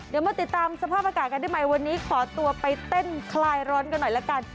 เดี๋ยวมาติดตามสภาพอากาศกันได้ใหม่วันนี้ขอตัวไปเต้นคลายร้อนกันหน่อยละกัน